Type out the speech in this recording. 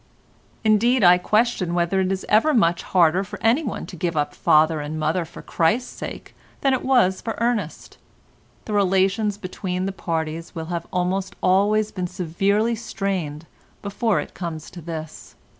Indeed, I question whether it is ever much harder for anyone to give up father and mother for Christ's sake than it was for Ernest. The relations between the parties will have almost always been severely strained before it comes to this.